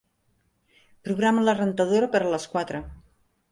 Programa la rentadora per a les quatre.